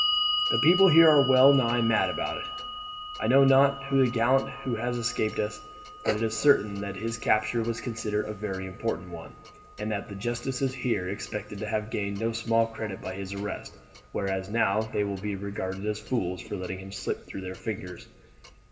"The people here are well nigh mad about it. I know not who the gallant who has escaped is; but it is certain that his capture was considered a very important one, and that the justices here expected to have gained no small credit by his arrest, whereas now they will be regarded as fools for letting him slip through their fingers."